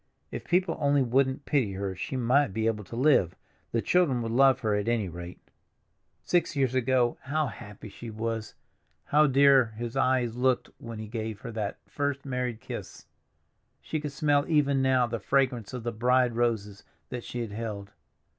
If people only wouldn't pity her she might be able to live; the children would love her at any rate. Six years ago how happy she was, how dear his eyes looked when he gave her that first married kiss! She could smell even now the fragrance of the bride roses that she had held.